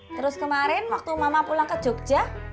terus kemarin waktu mama pulang ke jogja